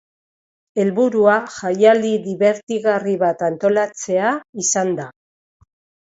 Helburua jaialdi dibertigarri bat antolatzea izan da.